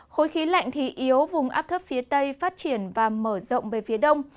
khối khí lạnh thì yếu vùng áp thấp phía tây phát triển và mở rộng về phía đông